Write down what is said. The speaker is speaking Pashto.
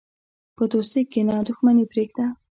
په دوستۍ کښېنه، دښمني پرېږده.